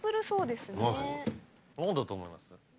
何だと思います？